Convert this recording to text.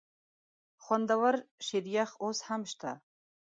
خوندور شریخ اوس هم شته؟